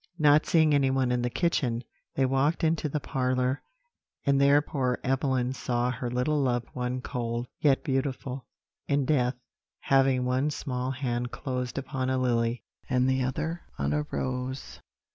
Not seeing anyone in the kitchen, they walked into the parlour, and there poor Evelyn saw her little loved one cold, yet beautiful, in death, having one small hand closed upon a lily, and the other on a rose.